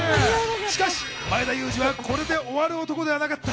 しかし前田裕二はこれで終わる男ではなかった。